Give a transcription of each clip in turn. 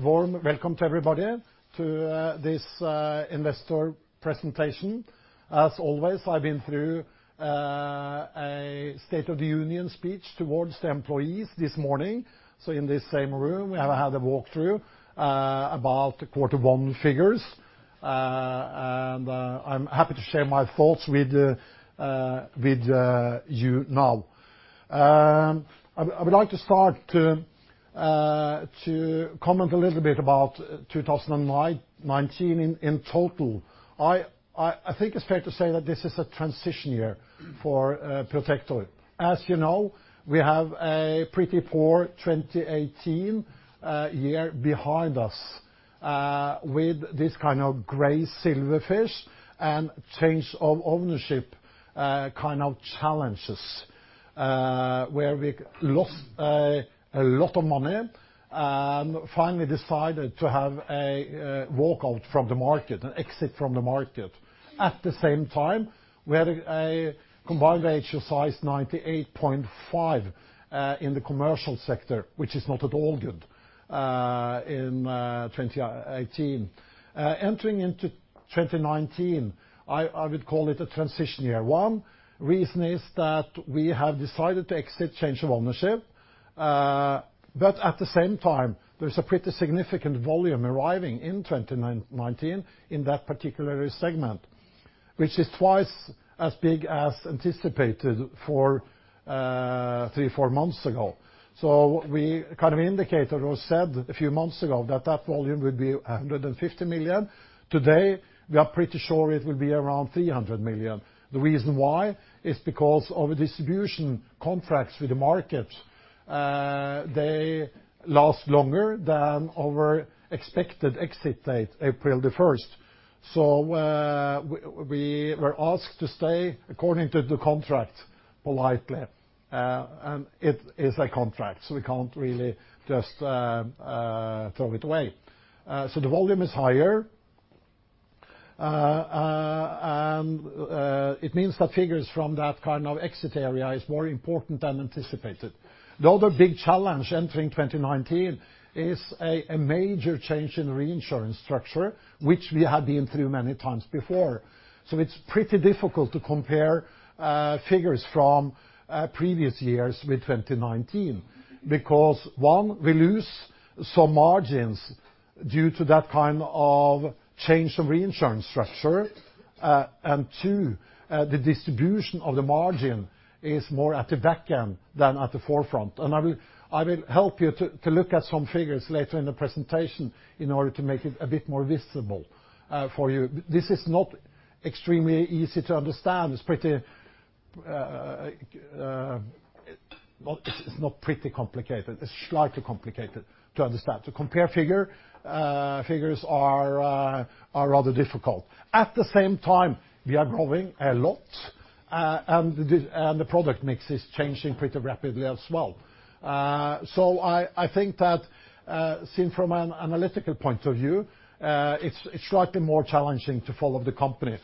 Warm welcome to everybody to this investor presentation. As always, I've been through a state of the union speech towards the employees this morning. In this same room, we have had a walk through about the Q1 figures. I'm happy to share my thoughts with you now. I would like to start to comment a little bit about 2019 in total. I think it's fair to say that this is a transition year for Protector. As you know, we have a pretty poor 2018 year behind us with this kind of gray silverfish and Change of Ownership kind of challenges, where we lost a lot of money. Finally decided to have a walkout from the market, an exit from the market. At the same time, we had a combined ratio of 98.5% in the commercial sector, which is not at all good, in 2018. Entering into 2019, I would call it a transition year. One reason is that we have decided to exit Change of Ownership. At the same time, there's a pretty significant volume arriving in 2019 in that particular segment, which is twice as big as anticipated for three, four months ago. What we indicated or said a few months ago that that volume would be 150 million. Today, we are pretty sure it will be around 300 million. The reason why is because of distribution contracts with the market. They last longer than our expected exit date, April the 1st. We were asked to stay according to the contract politely. It is a contract, so we can't really just throw it away. The volume is higher. It means that figures from that kind of exit area is more important than anticipated. The other big challenge entering 2019 is a major change in reinsurance structure, which we have been through many times before. It's pretty difficult to compare figures from previous years with 2019. One, we lose some margins due to that kind of change of reinsurance structure. Two, the distribution of the margin is more at the back end than at the forefront. I will help you to look at some figures later in the presentation in order to make it a bit more visible for you. This is not extremely easy to understand. It's not pretty complicated. It's slightly complicated to understand. To compare figures are rather difficult. At the same time, we are growing a lot, and the product mix is changing pretty rapidly as well. I think that, seen from an analytical point of view, it's slightly more challenging to follow the company.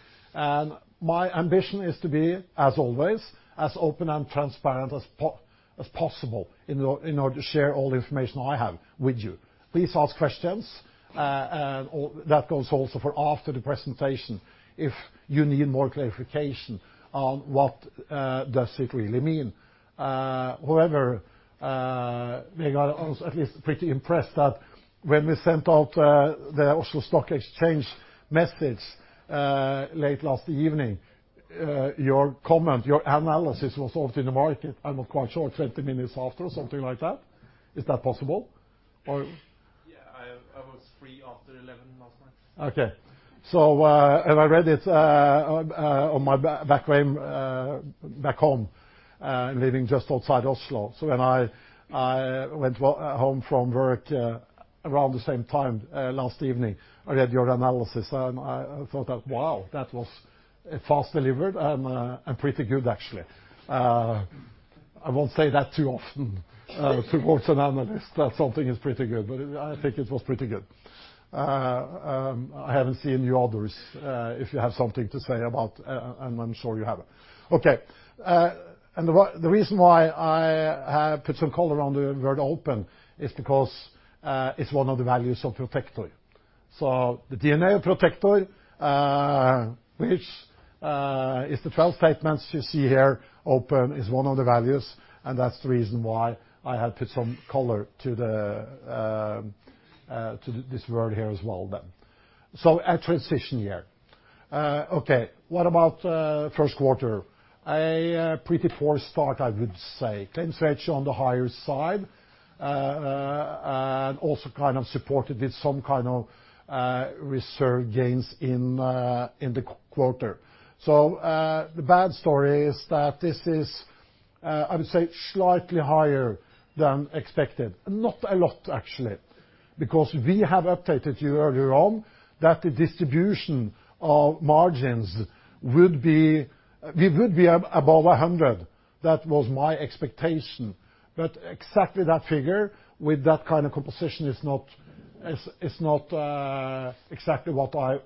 My ambition is to be, as always, as open and transparent as possible in order to share all the information I have with you. Please ask questions. That goes also for after the presentation, if you need more clarification on what does it really mean. However, we got at least pretty impressed that when we sent out the Oslo Stock Exchange message late last evening, your comment, your analysis was out in the market, I'm not quite sure, 20 minutes after or something like that. Is that possible? Yeah, I was free after 11:00 last night. Okay. I read it on my back home, and living just outside Oslo. When I went home from work around the same time last evening, I read your analysis and I thought that, wow, that was fast delivered and pretty good, actually. I won't say that too often towards an analyst that something is pretty good, but I think it was pretty good. I haven't seen you others, if you have something to say about. I'm sure you have. Okay. The reason why I have put some color on the word open is because, it's one of the values of Protector. The DNA of Protector, which is the 12 statements you see here, open is one of the values, and that's the reason why I have put some color to this word here as well then. A transition year. Okay, what about first quarter? A pretty poor start, I would say. claims ratio on the higher side. Also kind of supported with some kind of reserve gains in the quarter. The bad story is that this is, I would say, slightly higher than expected. Not a lot, actually, because we have updated you earlier on that the distribution of margins we would be above 100. That was my expectation. Exactly that figure with that kind of composition is not exactly what I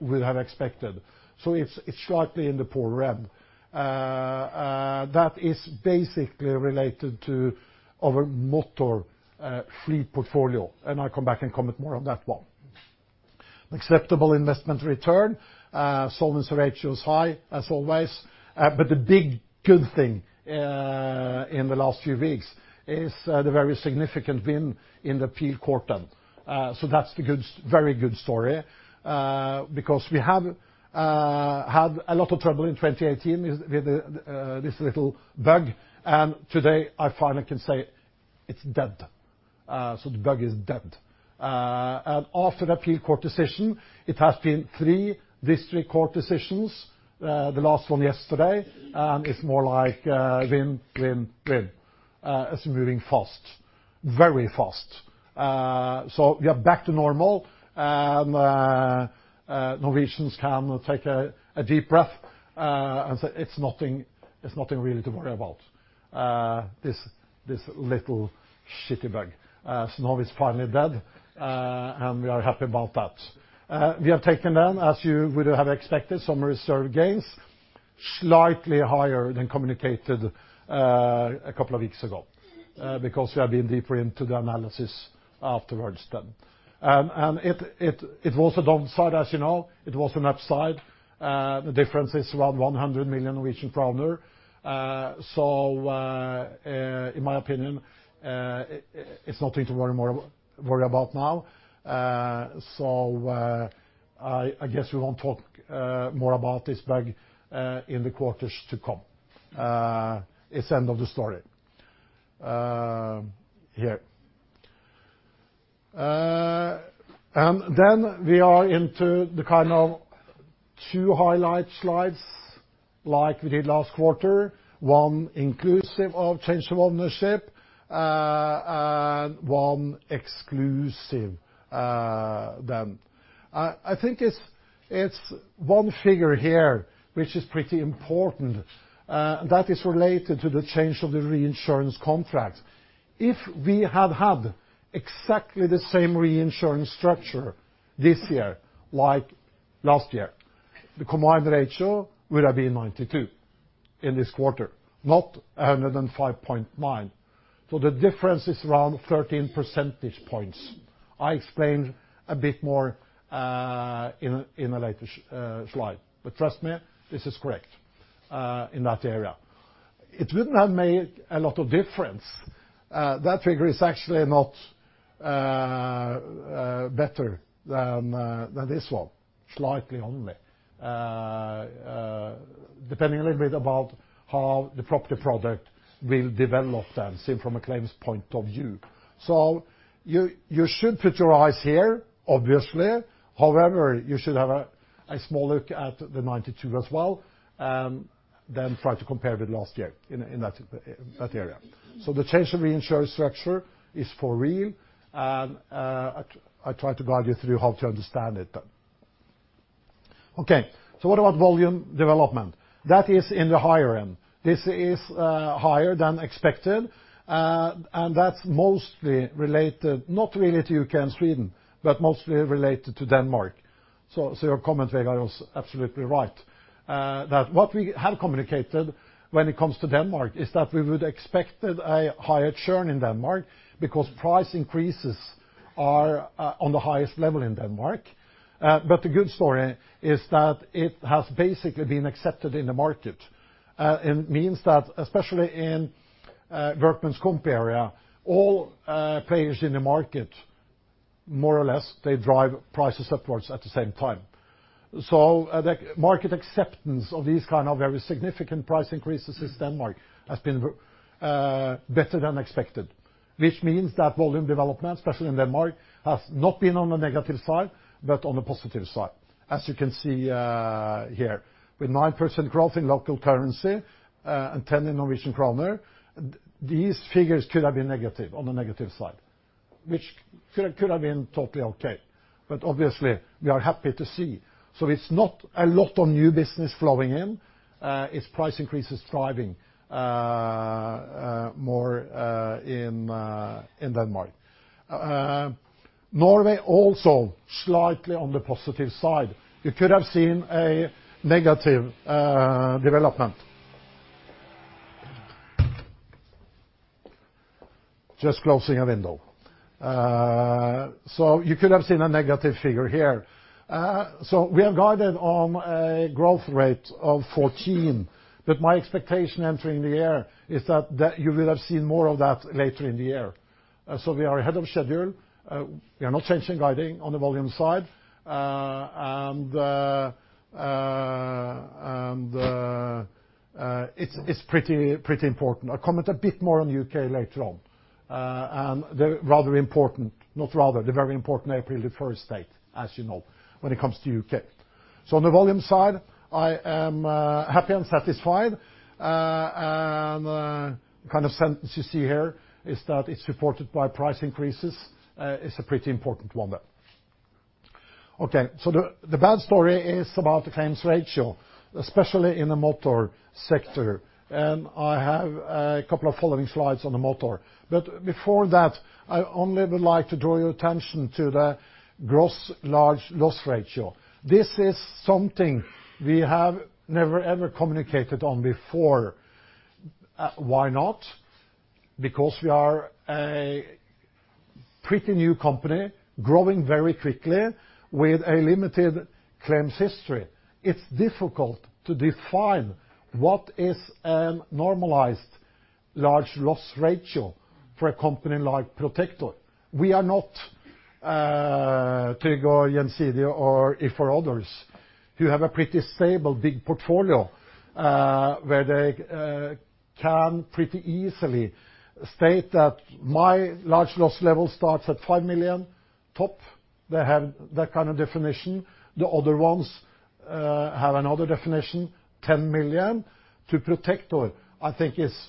would have expected. It's slightly in the poor red. That is basically related to our motor fleet portfolio. I'll come back and comment more on that one. An acceptable investment return. solvency ratio is high, as always. The big good thing in the last few weeks is the very significant win in the appeal court then. That's the very good story, because we have had a lot of trouble in 2018 with this little bug. Today I finally can say it's dead. The bug is dead. After the appeal court decision, it has been three district court decisions, the last one yesterday. It's more like win, win. It's moving fast. Very fast. We are back to normal. Norwegians can take a deep breath and it's nothing really to worry about. This little, SNOW, is finally dead, and we are happy about that. We have taken then, as you would have expected, some reserve gains. Slightly higher than communicated a couple of weeks ago, because we have been deeper into the analysis afterwards then. It was a downside, as you know, it was an upside. The difference is around 100 million Norwegian kroner. In my opinion, it's nothing to worry about now. I guess we won't talk more about this bug in the quarters to come. It's end of the story here. We are into the two highlight slides like we did last quarter. One inclusive of Change of Ownership, and one exclusive then. I think it's one figure here which is pretty important. That is related to the change of the reinsurance contract. If we had had exactly the same reinsurance structure this year like last year, the combined ratio would have been 92% in this quarter, not 105.9%. The difference is around 13 percentage points. I explain a bit more in a later slide. Trust me, this is correct in that area. It wouldn't have made a lot of difference. That figure is actually not better than this one. Slightly only. Depending a little bit about how the property product will develop then, seen from a claims point of view. You should put your eyes here, obviously. However, you should have a small look at the 92% as well, then try to compare with last year in that area. The change of reinsurance structure is for real, and I try to guide you through how to understand it then. Okay. What about volume development? That is in the higher end. This is higher than expected. That's mostly related, not really to U.K. and Sweden, but mostly related to Denmark. Your comment, Veigar, was absolutely right. That what we had communicated when it comes to Denmark is that we would expected a higher churn in Denmark because price increases are on the highest level in Denmark. The good story is that it has basically been accepted in the market. It means that, especially in Verdenskompaniet area, all players in the market, more or less, they drive prices upwards at the same time. The market acceptance of these kind of very significant price increases in Denmark has been better than expected, which means that volume development, especially in Denmark, has not been on the negative side, but on the positive side, as you can see here, with 9% growth in local currency, and 10% in NOK. These figures could have been negative, on the negative side, which could have been totally okay. Obviously, we are happy to see. It's not a lot of new business flowing in. It's price increases driving more in Denmark. Norway also slightly on the positive side. You could have seen a negative development. Just closing a window. You could have seen a negative figure here. We have guided on a growth rate of 14%, but my expectation entering the year is that you will have seen more of that later in the year. We are ahead of schedule. We are not changing guiding on the volume side. It's pretty important. I'll comment a bit more on U.K. later on. The very important April deferred state, as you know, when it comes to U.K. On the volume side, I am happy and satisfied. The sentence you see here is that it's supported by price increases. It's a pretty important one then. Okay. The bad story is about the claims ratio, especially in the motor sector. I have a couple of following slides on the motor. Before that, I only would like to draw your attention to the gross large loss ratio. This is something we have never, ever communicated on before. Why not? Because we are a pretty new company, growing very quickly with a limited claims history. It's difficult to define what is a normalized large loss ratio for a company like Protector. We are not Tryg, Gjensidige, or IF, or others, who have a pretty stable, big portfolio, where they can pretty easily state that my large loss level starts at 5 million top. They have that kind of definition. The other ones have another definition, 10 million. To Protector, I think it's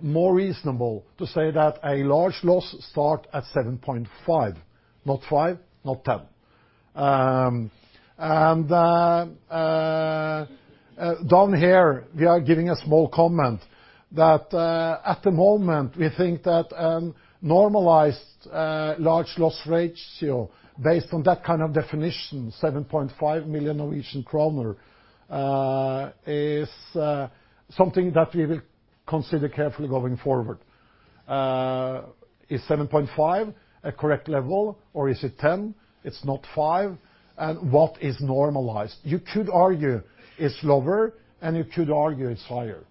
more reasonable to say that a large loss starts at 7.5, not 5, not 10. Down here, we are giving a small comment that, at the moment, we think that a normalized large loss ratio based on that definition, 7.5 million Norwegian kroner, is something that we will consider carefully going forward. Is 7.5 a correct level, or is it 10? It's not 5. What is normalized? You could argue it's lower, and you could argue it's higher.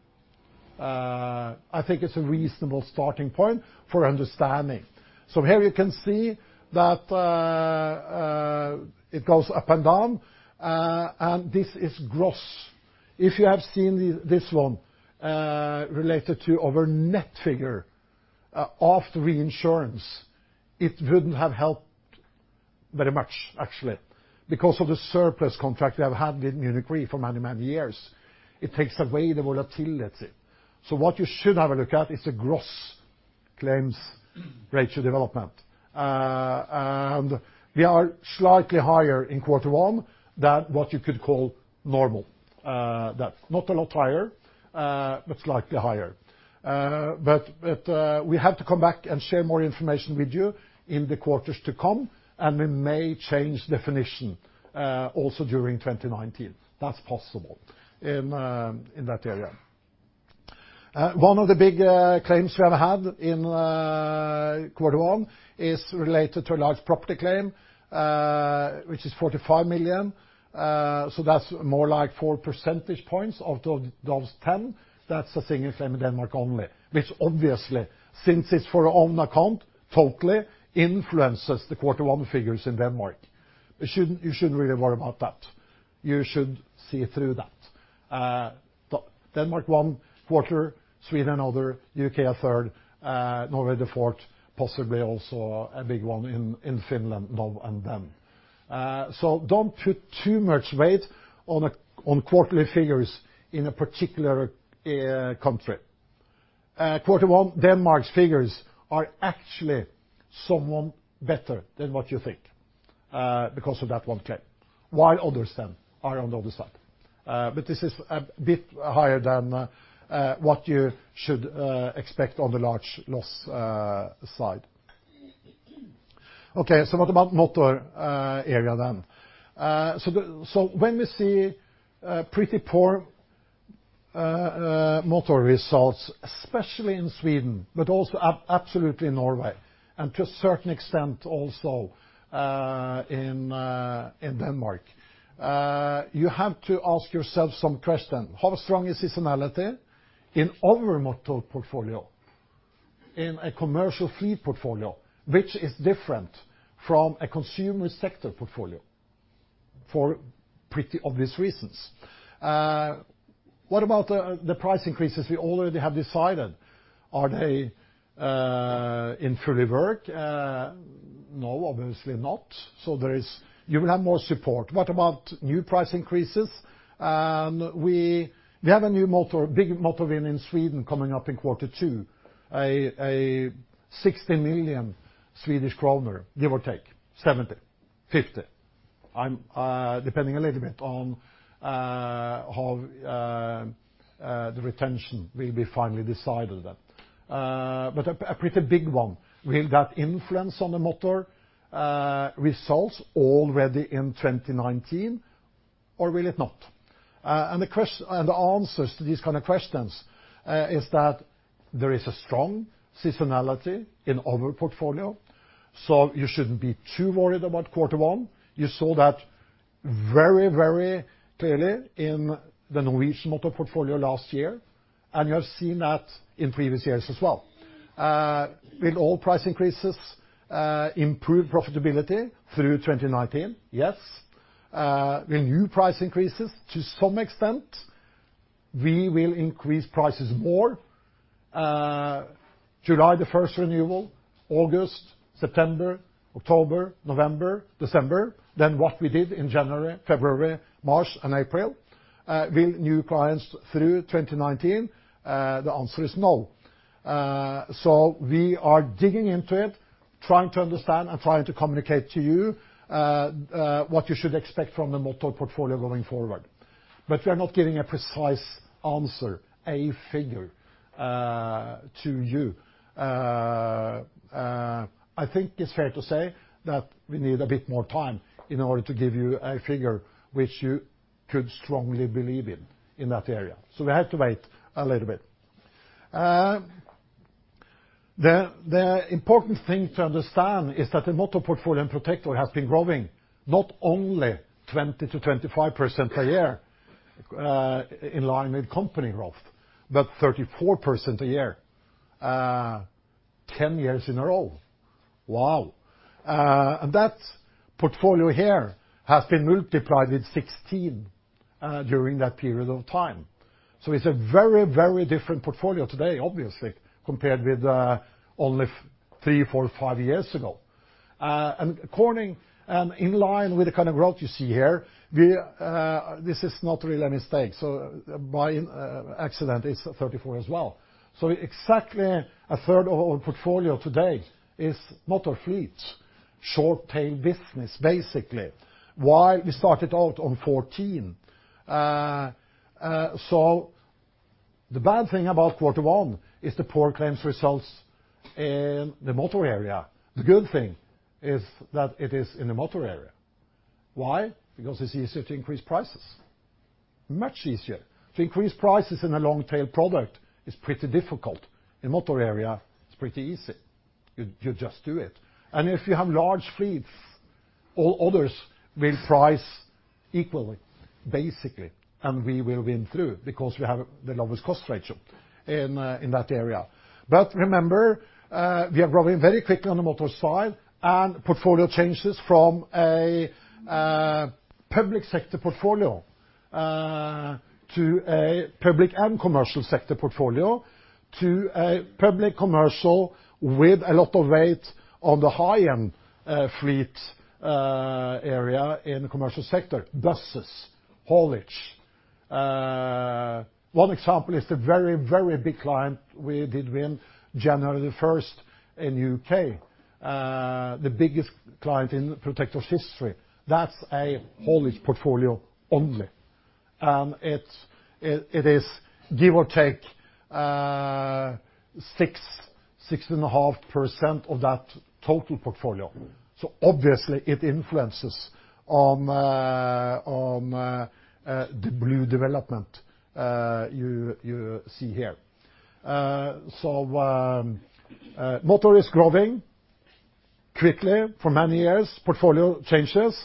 I think it's a reasonable starting point for understanding. Here you can see that it goes up and down. This is gross. If you have seen this one related to our net figure after reinsurance, it wouldn't have helped very much actually, because of the surplus contract we have had with Munich Re for many years. It takes away the volatility. What you should have a look at is the gross claims ratio development. We are slightly higher in quarter one than what you could call normal. Not a lot higher, but slightly higher. We have to come back and share more information with you in the quarters to come, and we may change definition also during 2019. That's possible in that area. One of the big claims we have had in quarter one is related to a large property claim, which is 45 million. That's more like 4 percentage points out of those 10. That's a single claim in Denmark only, which obviously, since it's for our own account totally, influences the quarter one figures in Denmark. You shouldn't really worry about that. You should see through that. Denmark, one quarter. Sweden, another. U.K., a third. Norway, the fourth. Possibly also a big one in Finland. Don't put too much weight on quarterly figures in a particular country. Quarter one, Denmark's figures are actually somewhat better than what you think because of that one claim, while others then are on the other side. This is a bit higher than what you should expect on the large loss side. Okay. What about motor area then? When we see pretty poor motor results, especially in Sweden, but also absolutely in Norway, and to a certain extent also in Denmark, you have to ask yourself some question. How strong is seasonality in our motor portfolio, in a commercial motor fleet portfolio, which is different from a consumer sector portfolio for pretty obvious reasons? What about the price increases we already have decided? Are they in full effect? No, obviously not. You will have more support. What about new price increases? We have a new big motor win in Sweden coming up in quarter two, a 60 million Swedish kronor, give or take 70, 50. Depending a little bit on how the retention will be finally decided then. A pretty big one. Will that influence the motor results already in 2019, or will it not? The answers to these kind of questions is that there is a strong seasonality in our portfolio. You shouldn't be too worried about quarter one. You saw that very clearly in the Norwegian motor portfolio last year, and you have seen that in previous years as well. Will all price increases improve profitability through 2019? Yes. Will new price increases? To some extent. We will increase prices more July the 1st renewal, August, September, October, November, December, than what we did in January, February, March, and April. Will new clients through 2019? The answer is no. We are digging into it, trying to understand and trying to communicate to you what you should expect from the motor portfolio going forward. We are not giving a precise answer, a figure to you. I think it's fair to say that we need a bit more time in order to give you a figure which you could strongly believe in in that area. We have to wait a little bit. The important thing to understand is that the motor portfolio in Protector has been growing, not only 20%-25% a year in line with company growth, but 34% a year 10 years in a row. Wow. That portfolio here has been multiplied with 16 during that period of time. It's a very different portfolio today, obviously, compared with only three, four, five years ago. In line with the kind of growth you see here, this is not really a mistake. By accident, it's 34% as well. Exactly a third of our portfolio today is motor fleet, short tail business, basically. Why? We started out on 14. The bad thing about quarter one is the poor claims results in the motor area. The good thing is that it is in the motor area. Why? Because it's easier to increase prices. Much easier. To increase prices in a long tail product is pretty difficult. In motor area, it's pretty easy. You just do it. If you have large fleets, all others will price equally, basically, and we will win through because we have the lowest cost ratio in that area. Remember, we are growing very quickly on the motor side and portfolio changes from a public sector portfolio, to a public and commercial sector portfolio, to a public commercial with a lot of weight on the high-end fleet area in the commercial sector, buses, haulage. One example is the very big client we did win January 1st in U.K., the biggest client in Protector's history. That's a haulage portfolio only. It is give or take 6.5% of that total portfolio. Obviously it influences on the blue development you see here. Motor is growing quickly for many years. Portfolio changes,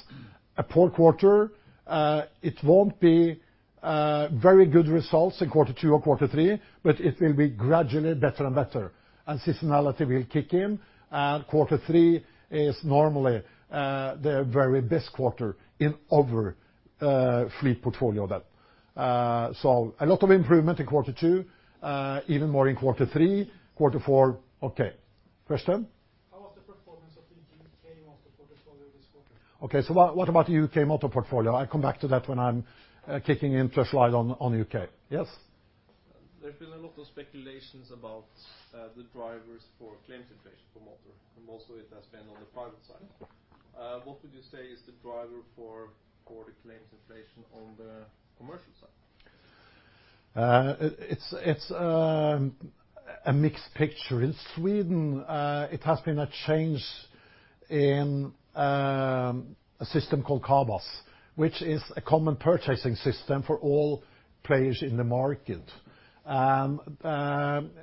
a poor quarter. It won't be very good results in quarter two or quarter three, but it will be gradually better and better, and seasonality will kick in. Quarter three is normally the very best quarter in our fleet portfolio then. A lot of improvement in quarter two, even more in quarter three. Quarter four, okay. Question? How was the performance of the U.K. motor portfolio this quarter? Okay. What about the U.K. motor portfolio? I come back to that when I'm kicking in first slide on U.K. Yes? There's been a lot of speculations about the drivers for claims inflation for motor, mostly it has been on the private side. What would you say is the driver for quarter claims inflation on the commercial side? It's a mixed picture. In Sweden, it has been a change in a system called Cabas, which is a common purchasing system for all players in the market.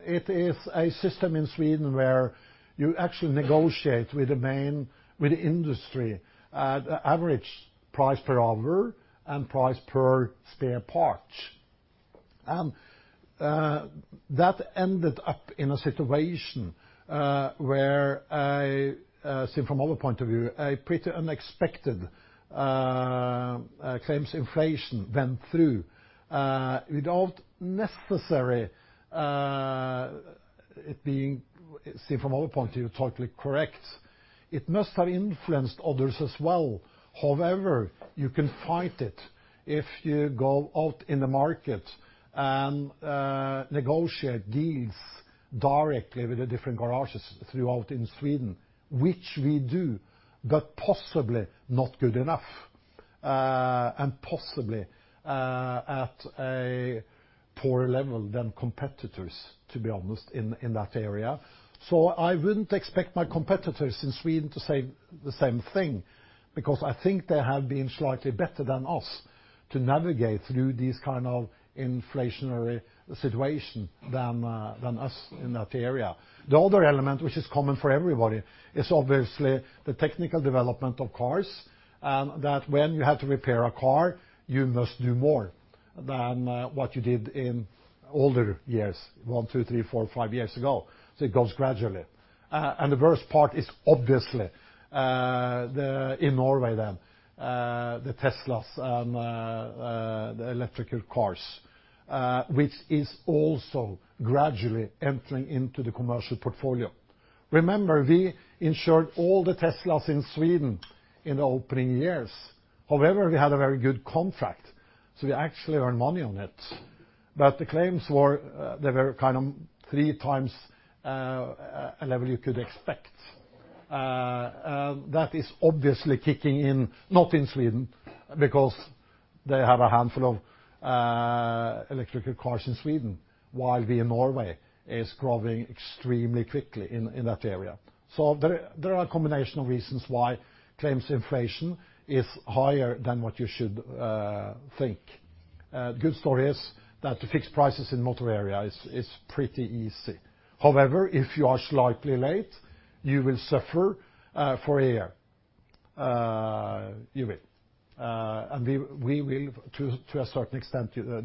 It is a system in Sweden where you actually negotiate with the industry at average price per hour and price per spare part. That ended up in a situation where, seen from our point of view, a pretty unexpected claims inflation went through without necessary it being, seen from our point of view, totally correct. It must have influenced others as well. However, you can fight it if you go out in the market and negotiate deals directly with the different garages throughout in Sweden, which we do, but possibly not good enough. Possibly at a poorer level than competitors, to be honest, in that area. I wouldn't expect my competitors in Sweden to say the same thing, because I think they have been slightly better than us to navigate through these kind of inflationary situation than us in that area. The other element, which is common for everybody, is obviously the technical development of cars, that when you have to repair a car, you must do more than what you did in older years, one, two, three, four, five years ago. It goes gradually. The worst part is obviously, in Norway then, the Teslas and the electrical cars, which is also gradually entering into the commercial portfolio. Remember, we insured all the Teslas in Sweden in the opening years. However, we had a very good contract, so we actually earned money on it. The claims were, they were three times a level you could expect. That is obviously kicking in, not in Sweden, because they have a handful of electrical cars in Sweden, while we in Norway is growing extremely quickly in that area. There are a combination of reasons why claims inflation is higher than what you should think. The good story is that to fix prices in motor area is pretty easy. However, if you are slightly late, you will suffer for a year. You will. We will to a certain extent do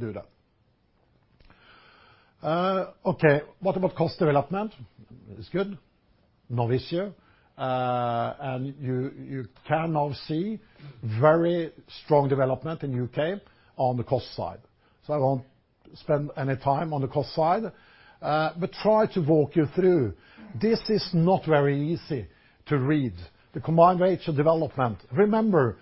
that. Okay, what about cost development? It's good. No issue. You can now see very strong development in U.K. on the cost side. I won't spend any time on the cost side, but try to walk you through. This is not very easy to read. The combined ratio development. Remember,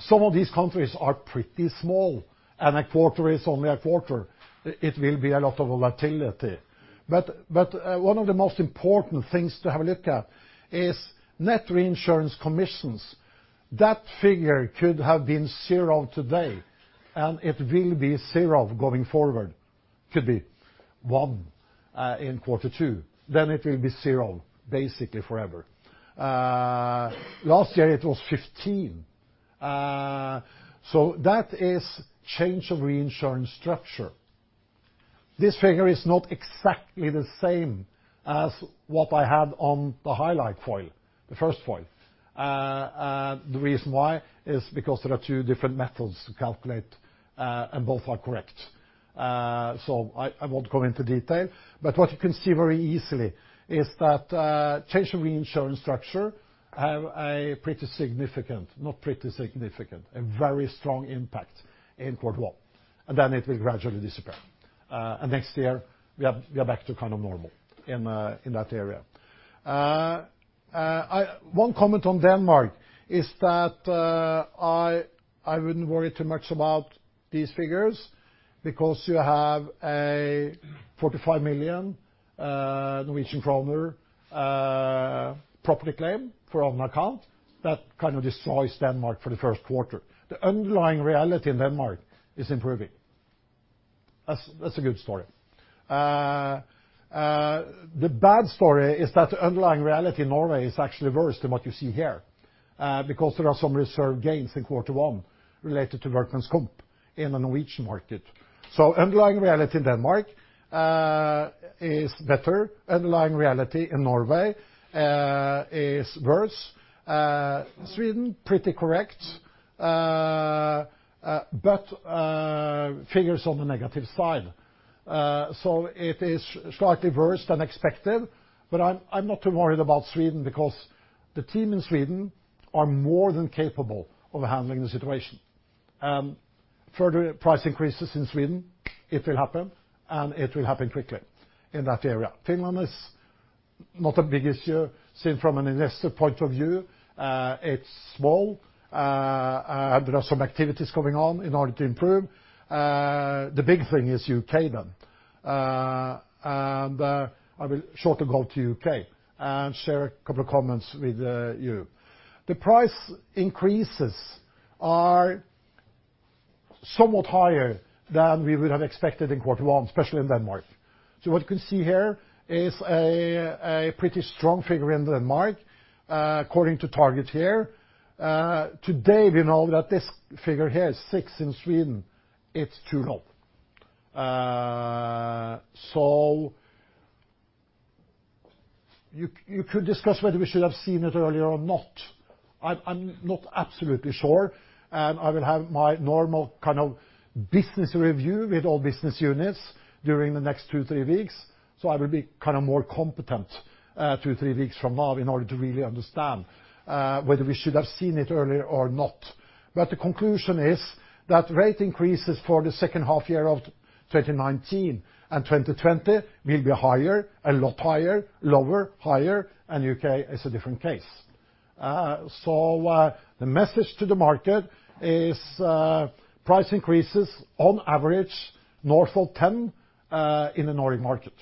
some of these countries are pretty small, and a quarter is only a quarter. It will be a lot of volatility. One of the most important things to have a look at is net reinsurance commissions. That figure could have been zero today, and it will be zero going forward. Could be one in Q2, then it will be zero, basically forever. Last year it was 15. That is change of reinsurance structure. This figure is not exactly the same as what I had on the highlight foil, the first foil. The reason why is because there are two different methods to calculate, and both are correct. I won't go into detail, but what you can see very easily is that change in reinsurance structure have a pretty significant, not pretty significant, a very strong impact in Q1, and then it will gradually disappear. Next year we are back to normal in that area. One comment on Denmark is that I wouldn't worry too much about these figures because you have a 45 million Norwegian kroner property claim for own account that kind of destroys Denmark for the first quarter. The underlying reality in Denmark is improving. That's a good story. The bad story is that the underlying reality in Norway is actually worse than what you see here, because there are some reserve gains in quarter one related to workmen's comp in the Norwegian market. Underlying reality in Denmark is better. Underlying reality in Norway is worse. Sweden, pretty correct, but figures on the negative side. It is slightly worse than expected, but I'm not too worried about Sweden because the team in Sweden are more than capable of handling the situation. Further price increases in Sweden, it will happen, and it will happen quickly in that area. Finland is not a big issue seen from an investor point of view. It's small. There are some activities going on in order to improve. The big thing is U.K. then, and I will shortly go to U.K. and share a couple of comments with you. The price increases are somewhat higher than we would have expected in quarter one, especially in Denmark. What you can see here is a pretty strong figure in Denmark according to target here. Today, we know that this figure here, six in Sweden, it's too low. You could discuss whether we should have seen it earlier or not. I'm not absolutely sure. I will have my normal business review with all business units during the next two, three weeks, I will be more competent two, three weeks from now in order to really understand whether we should have seen it earlier or not. The conclusion is that rate increases for the second half year of 2019 and 2020 will be higher, a lot higher, lower, higher, and U.K. is a different case. The message to the market is price increases on average north of 10 in the Nordic market,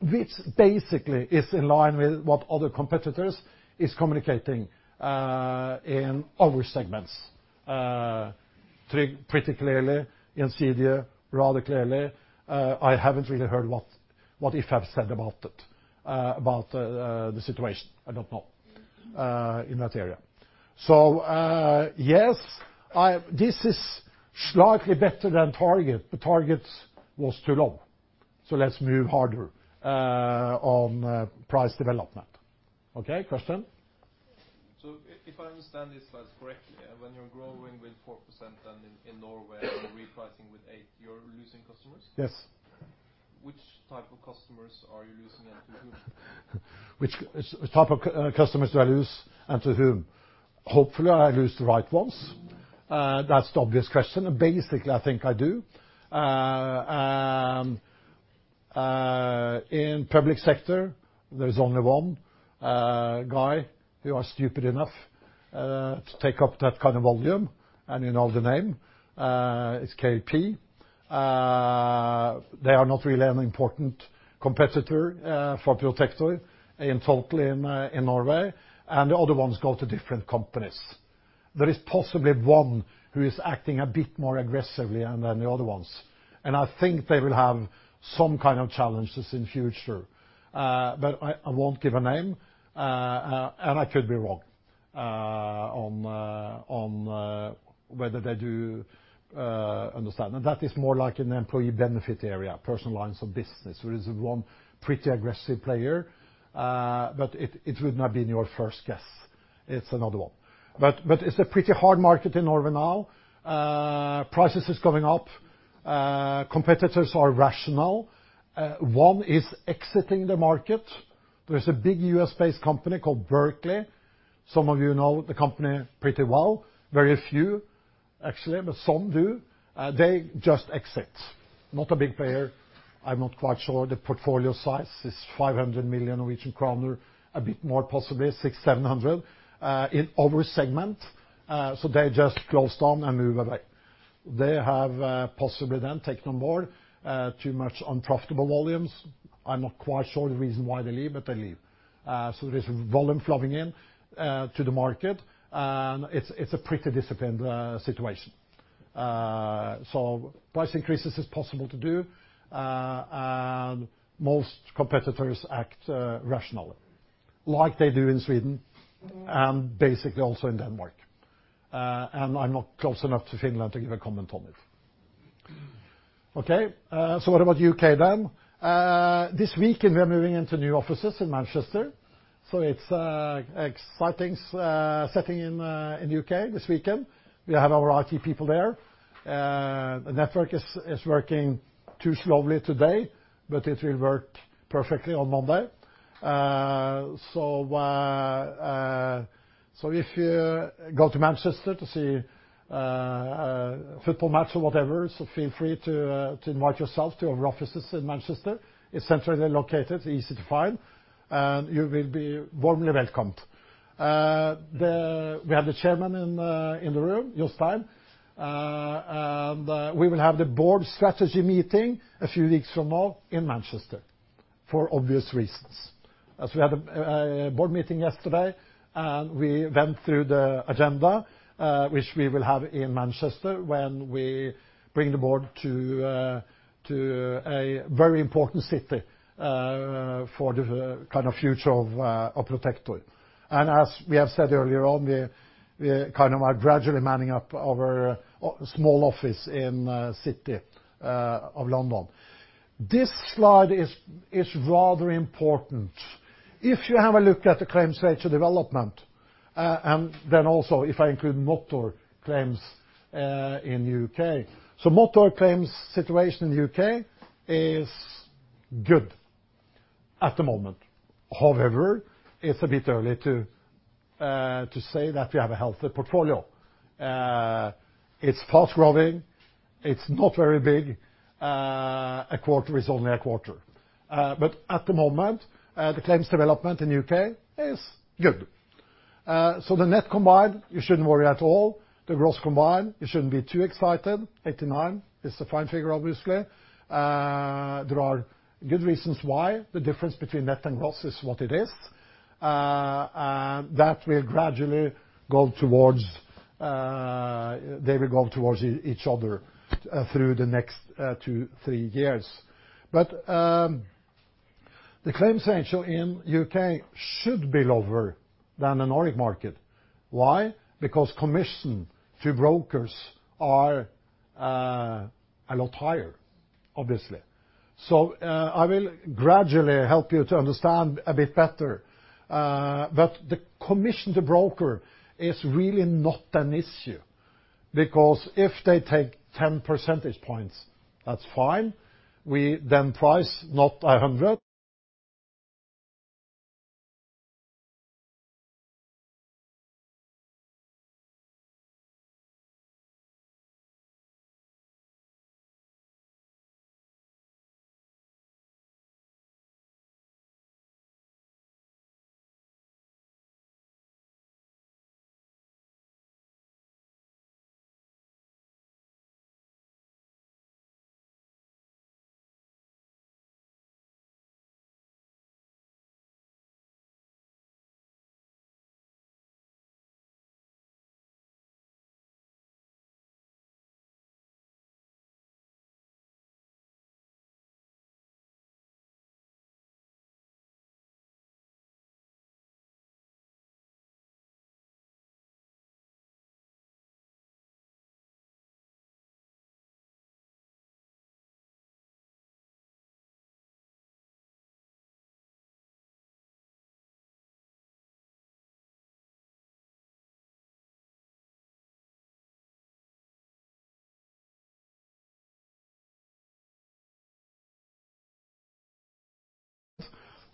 which basically is in line with what other competitors is communicating in our segments. Tryg particularly, Insidia rather clearly, I haven't really heard what If have said about it, about the situation, I don't know, in that area. Yes, this is slightly better than target. The target was too low, let's move harder on price development. Okay, question? If I understand these slides correctly, when you're growing with 4% then in Norway and repricing with eight, you're losing customers? Yes. Which type of customers are you losing and to whom? Which type of customers do I lose and to whom? Hopefully, I lose the right ones. That's the obvious question, and basically, I think I do. In public sector, there is only one guy who are stupid enough to take up that kind of volume, and you know the name. It's KLP. They are not really an important competitor for Protector in total in Norway. The other ones go to different companies. There is possibly one who is acting a bit more aggressively than the other ones, and I think they will have some kind of challenges in future. I won't give a name, and I could be wrong on whether they do understand. That is more like an employee benefit area, personal lines of business, where it is one pretty aggressive player. It would not be in your first guess. It's another one. It's a pretty hard market in Norway now. Prices is going up. Competitors are rational. One is exiting the market. There's a big U.S.-based company called Berkley. Some of you know the company pretty well. Very few, actually, but some do. They just exit. Not a big player. I'm not quite sure the portfolio size is 500 million Norwegian kroner, a bit more, possibly 600 million, 700 million, in our segment. They just closed down and move away. They have possibly then taken on board too much unprofitable volumes. I'm not quite sure the reason why they leave, but they leave. There's volume flowing in to the market, and it's a pretty disciplined situation. Price increases is possible to do, and most competitors act rationally, like they do in Sweden, and basically also in Denmark. I'm not close enough to Finland to give a comment on it. Okay. What about U.K. then? This weekend we are moving into new offices in Manchester, so it's exciting. Sitting in the U.K. this weekend. We have our IT people there. Network is working too slowly today, but it will work perfectly on Monday. If you go to Manchester to see a football match or whatever, so feel free to invite yourself to our offices in Manchester. It's centrally located, easy to find, and you will be warmly welcomed. We have the chairman in the room, Jostein, and we will have the board strategy meeting a few weeks from now in Manchester, for obvious reasons. As we had a board meeting yesterday, and we went through the agenda, which we will have in Manchester when we bring the board to a very important city, for the kind of future of Protector. As we have said earlier on, we kind of are gradually manning up our small office in City of London. This slide is rather important. If you have a look at the claims ratio development, then also if I include motor claims in the U.K. Motor claims situation in the U.K. is good at the moment. However, it's a bit early to say that we have a healthy portfolio. It's fast-growing. It's not very big. A quarter is only a quarter. At the moment, the claims development in the U.K. is good. The net combined, you shouldn't worry at all. The gross combined, you shouldn't be too excited. 89 is a fine figure, obviously. There are good reasons why the difference between net and gross is what it is. They will go towards each other through the next two, three years. The claims ratio in the U.K. should be lower than the Nordic market. Why? Because commission to brokers are a lot higher, obviously. I will gradually help you to understand a bit better. The commission to broker is really not an issue, because if they take 10 percentage points, that's fine. We then price not 100.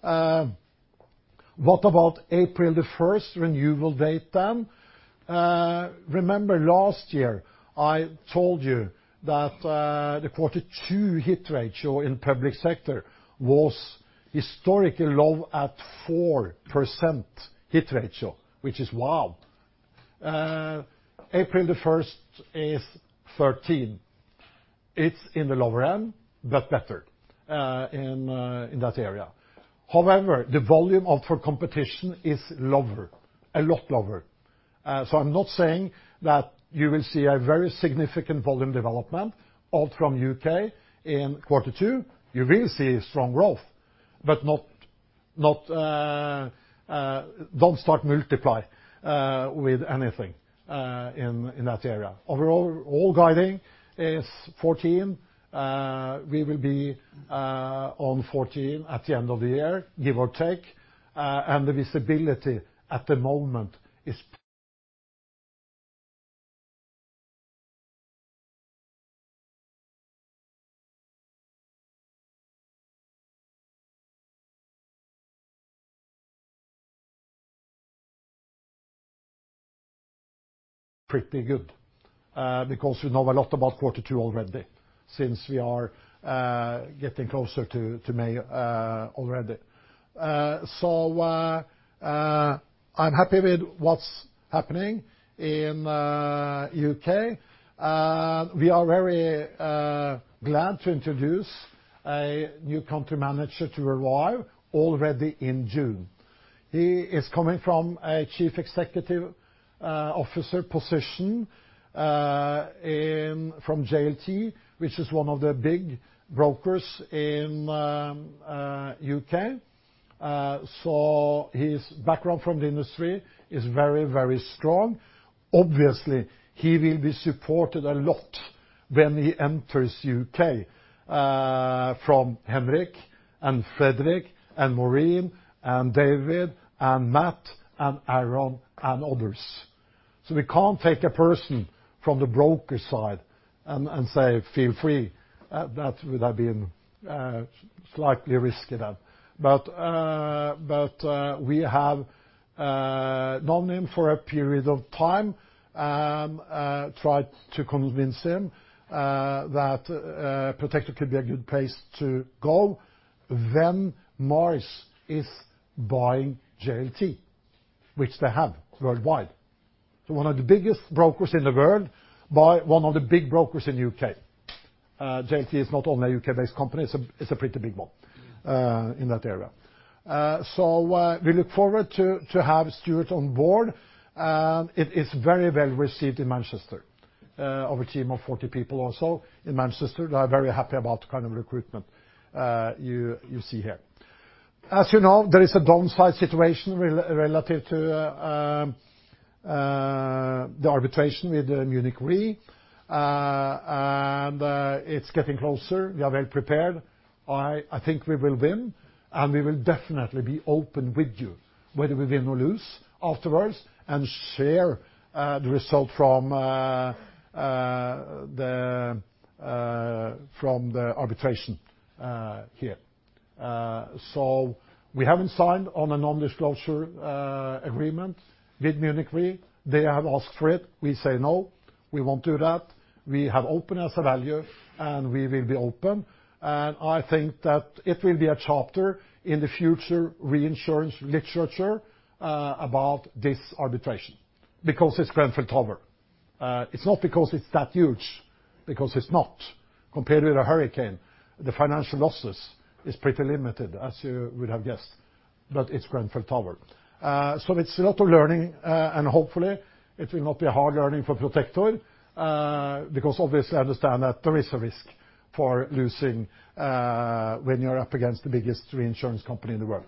What about April 1st renewal date then? Remember last year I told you that the quarter two hit ratio in public sector was historically low at 4% hit ratio, which is wow. April 1st is 13. It's in the lower end, but better in that area. The volume up for competition is lower, a lot lower. I'm not saying that you will see a very significant volume development out from the U.K. in quarter two. You will see strong growth, but don't start multiply with anything in that area. Overall, all guiding is 14. We will be on 14 at the end of the year, give or take, and the visibility at the moment is pretty good, because we know a lot about 2022 already, since we are getting closer to May already. I'm happy with what's happening in the U.K. We are very glad to introduce a new Country Manager to arrive already in June. He is coming from a Chief Executive Officer position from JLT, which is one of the big brokers in the U.K. His background from the industry is very strong. Obviously, he will be supported a lot when he enters the U.K. from Henrik and Fredrik and Maureen and David and Matt and Aaron and others. We can't take a person from the broker side and say, "Feel free." That would have been slightly risky then. We have known him for a period of time, tried to convince him that Protector could be a good place to go when Marsh is buying JLT, which they have worldwide. One of the biggest brokers in the world buy one of the big brokers in the U.K. JLT is not only a U.K.-based company, it's a pretty big one in that area. We look forward to have Stuart on board. It is very well-received in Manchester. Our team of 40 people or so in Manchester are very happy about the kind of recruitment you see here. As you know, there is a downside situation relative to the arbitration with Munich Re, it's getting closer. We are well prepared. I think we will win, and we will definitely be open with you whether we win or lose afterwards and share the result from the arbitration here. We haven't signed on a nondisclosure agreement with Munich Re. They have asked for it. We say, no, we won't do that. We have openness of value, and we will be open. I think that it will be a chapter in the future reinsurance literature about this arbitration, because it's Grenfell Tower. It's not because it's that huge, because it's not. Compared with a hurricane, the financial losses is pretty limited, as you would have guessed, but it's Grenfell Tower. It's a lot of learning, and hopefully, it will not be a hard learning for Protector, because obviously, I understand that there is a risk for losing when you're up against the biggest reinsurance company in the world.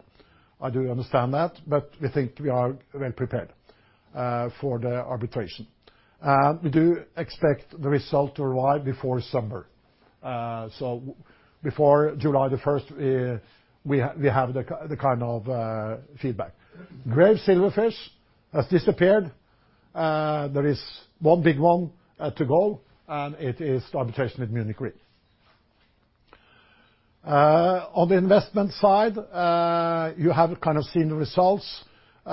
I do understand that, but we think we are well prepared for the arbitration. We do expect the result to arrive before summer. Before July the 1st, we have the kind of feedback. gray silverfish has disappeared. There is one big one to go, and it is arbitration with Munich Re. On the investment side, you have kind of seen the results. We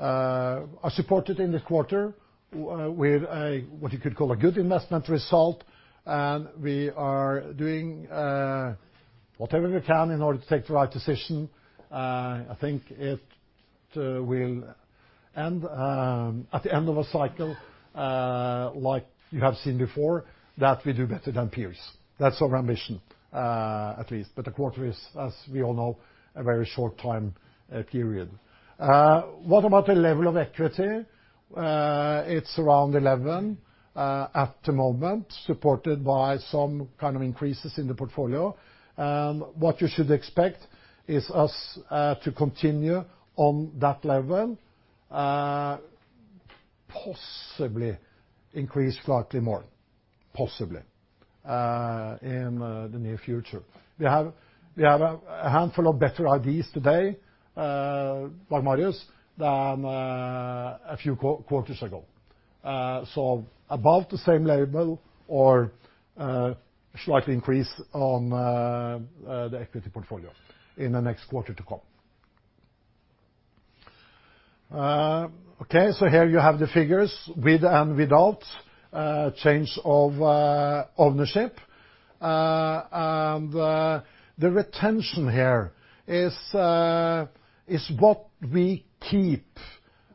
are supported in the quarter with what you could call a good investment result, and we are doing whatever we can in order to take the right decision. I think it will end at the end of a cycle, like you have seen before, that we do better than peers. That's our ambition at least. A quarter is, as we all know, a very short time period. What about the level of equity? It's around 11 at the moment, supported by some kind of increases in the portfolio. What you should expect is us to continue on that level, possibly increase slightly more, possibly, in the near future. We have a handful of better ideas today by Marius than a few quarters ago. Above the same level or a slight increase on the equity portfolio in the next quarter to come. Okay. Here you have the figures with and without Change of Ownership. The retention here is what we keep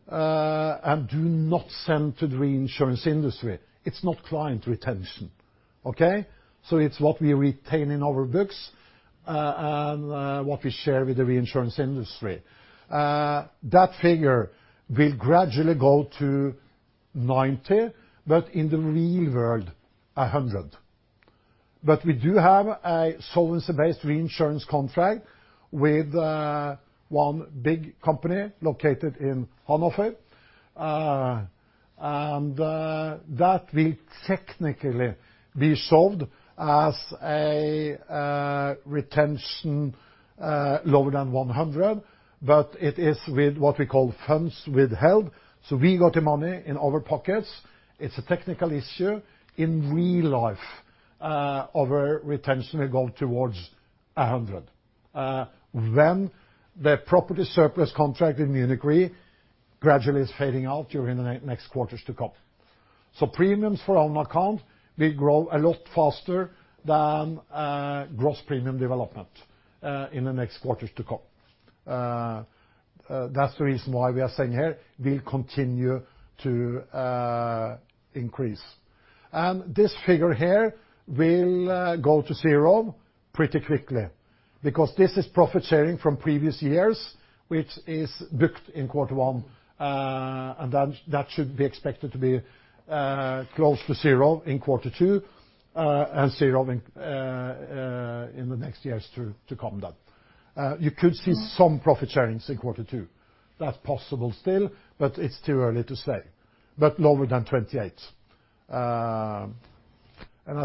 and do not send to the reinsurance industry. It's not client retention. Okay? It's what we retain in our books and what we share with the reinsurance industry. That figure will gradually go to 90, but in the real world, 100. We do have a solvency-based reinsurance contract with one big company located in Hannover. That will technically be solved as a retention lower than 100, but it is with what we call funds withheld. We got the money in our pockets. It's a technical issue. In real life, our retention will go towards 100. The property surplus contract in Munich Re gradually is fading out during the next quarters to come. Premiums for own account will grow a lot faster than gross premium development in the next quarters to come. That's the reason why we are saying here will continue to increase. This figure here will go to zero pretty quickly, because this is profit sharing from previous years, which is booked in quarter one, and that should be expected to be close to zero in quarter two, and zero in the next years to come then. You could see some profit sharings in quarter two. That's possible still, but it's too early to say. Lower than 28. I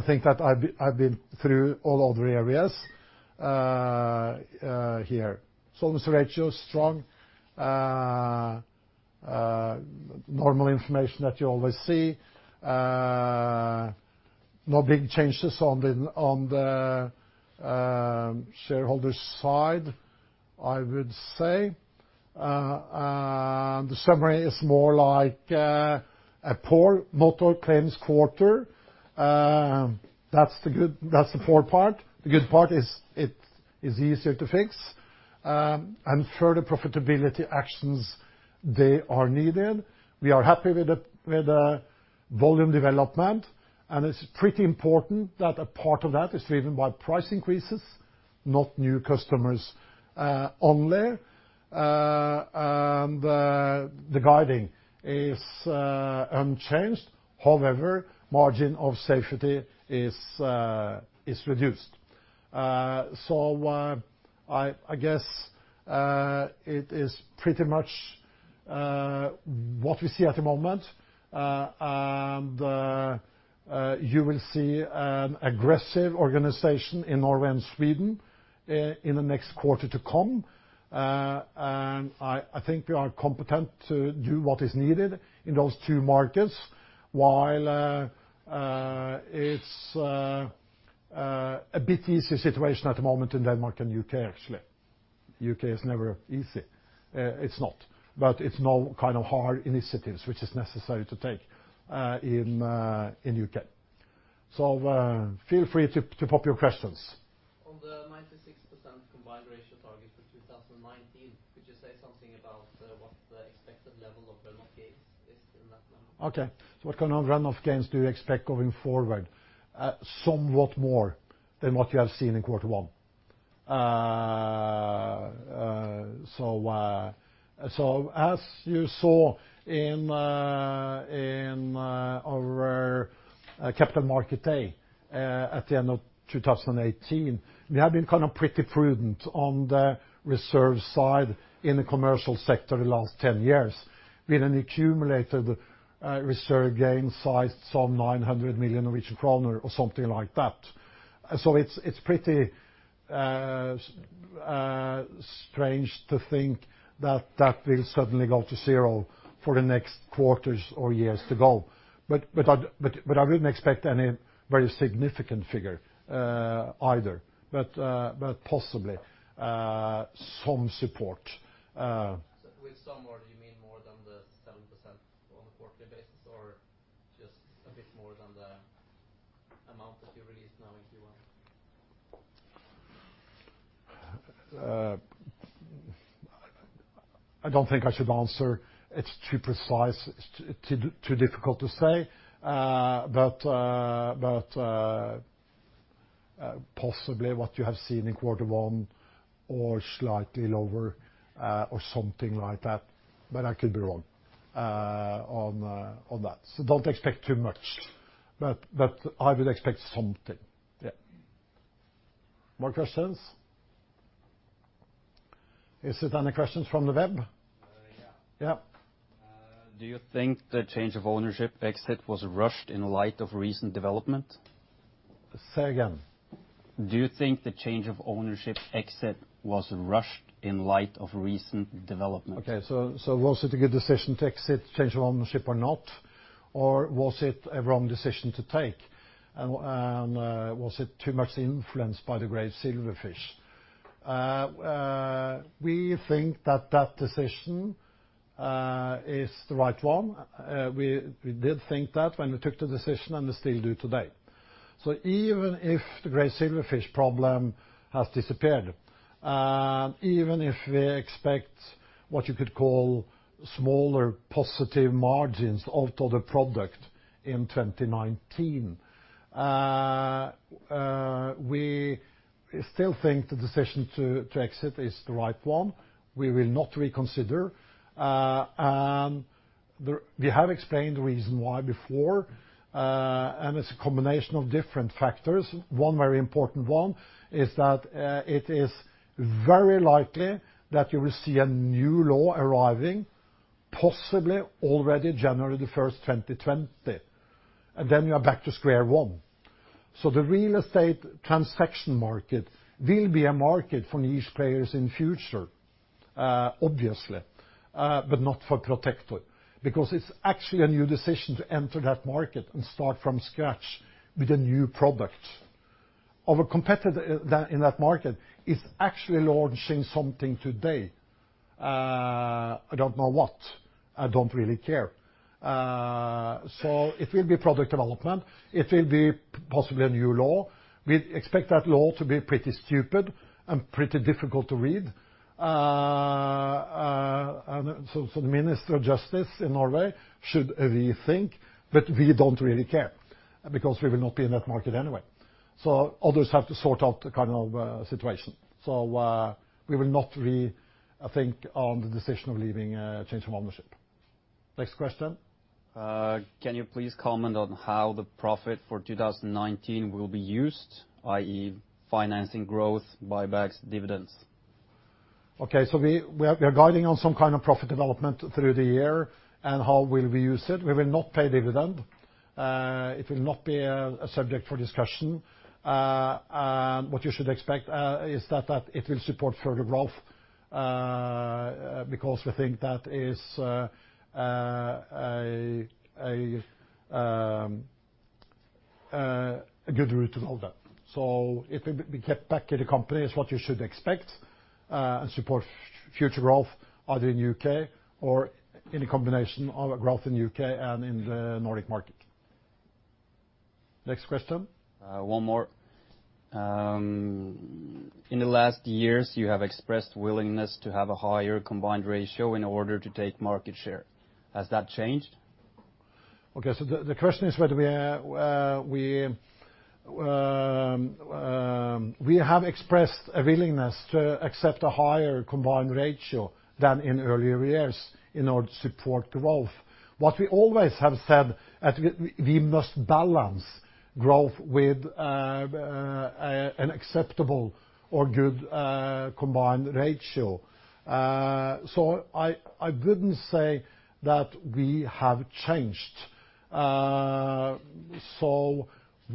think that I've been through all other areas here. solvency ratio is strong. Normal information that you always see. No big changes on the shareholders' side, I would say. The summary is more like a poor motor claims quarter. That's the poor part. The good part is it is easier to fix. Further profitability actions, they are needed. We are happy with the volume development, it's pretty important that a part of that is driven by price increases, not new customers only. The guiding is unchanged. However, margin of safety is reduced. I guess it is pretty much what we see at the moment. You will see an aggressive organization in Norway and Sweden in the next quarter to come. I think we are competent to do what is needed in those two markets. While it's a bit easier situation at the moment in Denmark and U.K., actually. U.K. is never easy. It's not. It's no hard initiatives which is necessary to take in U.K. Feel free to pop your questions. On the 96% combined ratio target for 2019, could you say something about what the expected level of runoff gains is in that number? Okay, what kind of runoff gains do you expect going forward? Somewhat more than what you have seen in quarter one. Okay. As you saw in our capital market day at the end of 2018, we have been pretty prudent on the reserve side in the commercial sector the last 10 years, with an accumulated reserve gain size 900 million Norwegian kroner or something like that. It's pretty strange to think that that will suddenly go to zero for the next quarters or years to go. I didn't expect any very significant figure either, but possibly some support. With some, or do you mean more than the 7% on a quarterly basis or just a bit more than the amount that you released now in Q1? I don't think I should answer. It's too precise. Too difficult to say. Possibly what you have seen in quarter one or slightly lower or something like that. I could be wrong on that. Don't expect too much. I would expect something. Yeah. More questions? Is there any questions from the web? Yeah. Yeah. Do you think the Change of Ownership exit was rushed in light of recent development? Say again. Do you think the Change of Ownership exit was rushed in light of recent development? Was it a good decision to exit Change of Ownership or not? Was it a wrong decision to take? Was it too much influenced by the gray silverfish? We think that that decision is the right one. We did think that when we took the decision, and we still do today. Even if the gray silverfish problem has disappeared, even if we expect what you could call smaller positive margins out of the product in 2019. We still think the decision to exit is the right one. We will not reconsider. We have explained the reason why before, and it's a combination of different factors. One very important one is that it is very likely that you will see a new law arriving, possibly already January 1st, 2020. Then you are back to square one. The real estate transaction market will be a market for niche players in future, obviously, but not for Protector because it's actually a new decision to enter that market and start from scratch with a new product. Our competitor in that market is actually launching something today. I don't know what. I don't really care. It will be product development. It will be possibly a new law. We expect that law to be pretty stupid and pretty difficult to read, so the Minister of Justice in Norway should rethink, but we don't really care because we will not be in that market anyway. Others have to sort out the kind of situation. We will not rethink on the decision of leaving Change of Ownership. Next question. Can you please comment on how the profit for 2019 will be used, i.e., financing growth, buybacks, dividends? Okay, we are guiding on some kind of profit development through the year. How will we use it? We will not pay dividend. It will not be a subject for discussion. What you should expect is that it will support further growth, because we think that is a good route to go there. It will be kept back in the company is what you should expect, and support future growth either in U.K. or in a combination of growth in U.K. and in the Nordic market. Next question. One more. In the last years, you have expressed willingness to have a higher combined ratio in order to take market share. Has that changed? Okay, the question is whether we have expressed a willingness to accept a higher combined ratio than in earlier years in order to support growth. What we always have said is we must balance growth with an an acceptable or good combined ratio. I wouldn't say that we have changed.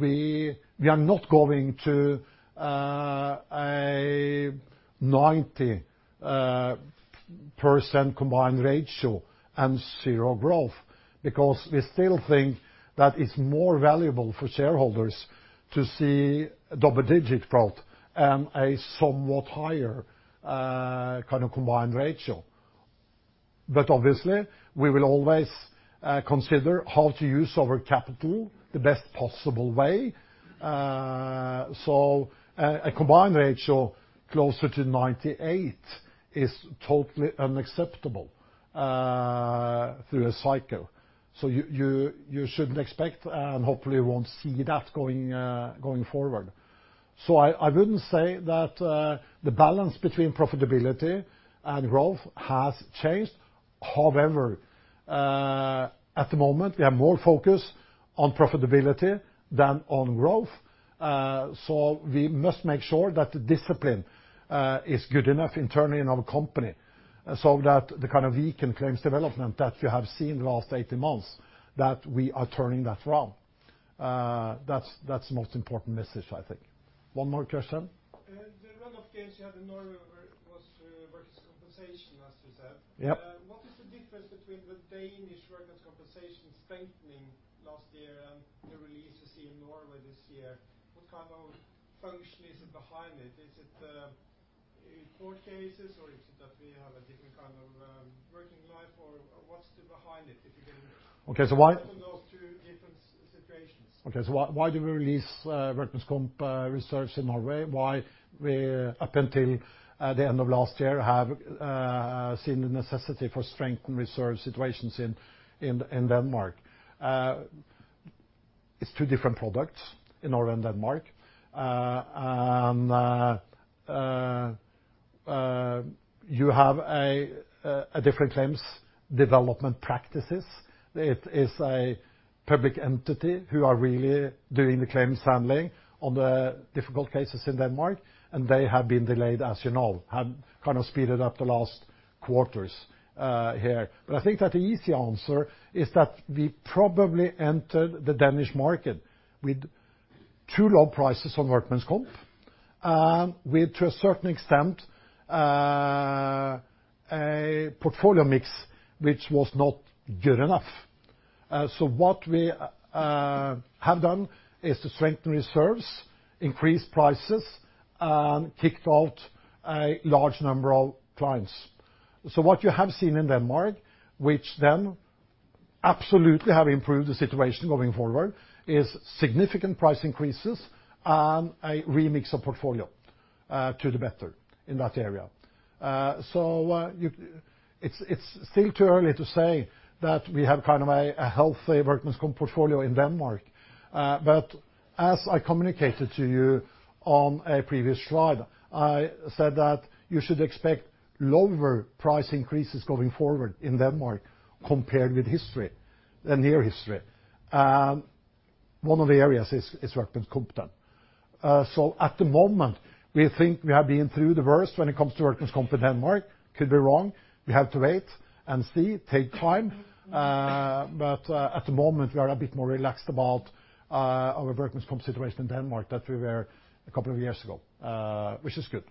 We are not going to a 90% combined ratio and zero growth because we still think that it's more valuable for shareholders to see double-digit growth and a somewhat higher combined ratio. Obviously, we will always consider how to use our capital the best possible way. A combined ratio closer to 98% is totally unacceptable through a cycle. You shouldn't expect and hopefully won't see that going forward. I wouldn't say that the balance between profitability and growth has changed. However, at the moment, we are more focused on profitability than on growth. We must make sure that the discipline is good enough internally in our company so that the kind of weak claims development that you have seen the last 18 months, that we are turning that around. That's the most important message, I think. One more question. The run of gains you had in Norway was workers' compensation, as you said. Yep. What is the difference between the Danish workers' compensation strengthening last year and the release you see in Norway this year? What kind of function is behind it? Is it court cases, or is it that we have a different kind of working life, or what's behind it? Okay. What are those two different situations? Why do we release workers' compensation reserves in Norway? Why we, up until the end of last year, have seen the necessity for strengthened reserve situations in Denmark? It's two different products in Norway and Denmark. You have different claims development practices. It is a public entity who are really doing the claims handling on the difficult cases in Denmark, and they have been delayed, as you know. Have kind of speeded up the last quarters here. I think that the easy answer is that we probably entered the Danish market with too low prices on workers' compensation, and with, to a certain extent, a portfolio mix which was not good enough. What we have done is to strengthen reserves, increase prices, and kicked out a large number of clients. What you have seen in Denmark, which then absolutely have improved the situation going forward, is significant price increases and a remix of portfolio to the better in that area. It's still too early to say that we have kind of a healthy workers' compensation portfolio in Denmark. As I communicated to you on a previous slide, I said that you should expect lower price increases going forward in Denmark compared with history, the near history. One of the areas is workers' compensation then. At the moment, we think we have been through the worst when it comes to workers' compensation in Denmark. Could be wrong. We have to wait and see, take time. At the moment, we are a bit more relaxed about our workers' compensation situation in Denmark than we were a couple of years ago, which is good.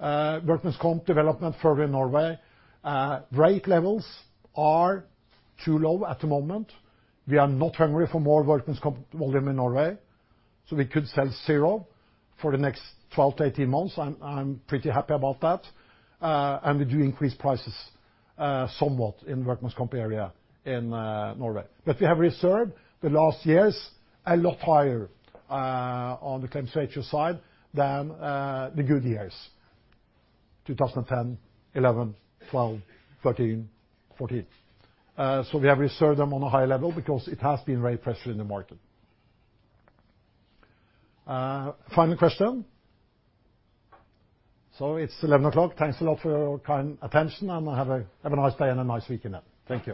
Workers' comp development further in Norway. Rate levels are too low at the moment. We are not hungry for more workers' compensation volume in Norway, so we could sell zero for the next 12-18 months. I'm pretty happy about that. We do increase prices somewhat in the workers' compensation area in Norway. We have reserved the last years a lot higher on the claims ratio side than the good years, 2010, 2011, 2012, 2013, 2014. We have reserved them on a higher level because it has been rate pressure in the market. Final question. It's 11:00 A.M. Thanks a lot for your kind attention, and have a nice day and a nice weekend now. Thank you.